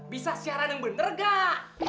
bisa siaran yang bener enggak